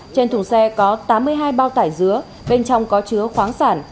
trên thùng xe có tám mươi hai bao tải dứa bên trong có chứa khoáng sản